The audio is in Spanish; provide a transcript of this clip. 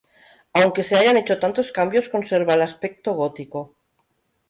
Aunque se hayan hecho tantos cambios, conserva el aspecto gótico.